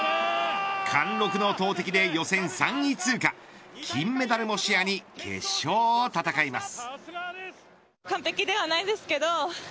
貫禄の投てきで予選３位通過金メダルも視野に決勝を戦います。